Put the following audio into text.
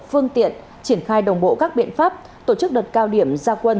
phương tiện triển khai đồng bộ các biện pháp tổ chức đợt cao điểm gia quân